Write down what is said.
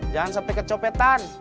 jangan sampai kecopetan